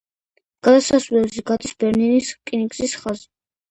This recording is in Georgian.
გადასასვლელზე გადის ბერნინის რკინიგზის ხაზი.